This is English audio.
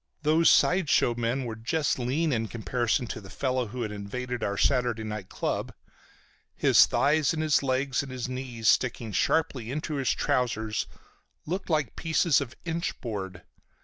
Those side show men were just lean in comparison to the fellow who had invaded our Saturday night club. His thighs and his legs and his knees, sticking sharply into his trousers, looked like pieces of inch board.